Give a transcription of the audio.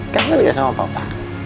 kangen gak sama papa